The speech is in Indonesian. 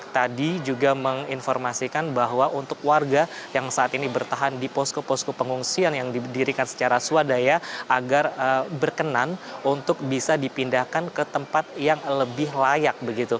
tadi juga menginformasikan bahwa untuk warga yang saat ini bertahan di posko posko pengungsian yang didirikan secara swadaya agar berkenan untuk bisa dipindahkan ke tempat yang lebih layak